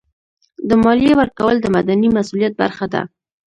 د مالیې ورکول د مدني مسؤلیت برخه ده.